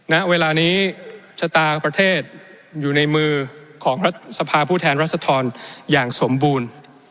ณเวลานี้ชะตาประเทศอยู่ในมือของรัฐสภาผู้แทนรัศดรอย่างสมบูรณ์